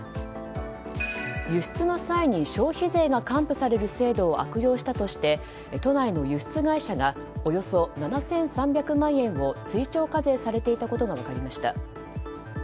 輸出の際に消費税が還付される制度を悪用したとして都内の輸出会社がおよそ７３００万円を追徴課税されていたことが分かりました。